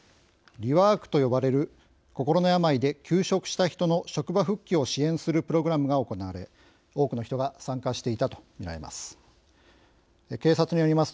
リワークと呼ばれる心の病で休職した人の職場復帰を支援するプログラムが行われ多くの人が参加していたとみられます。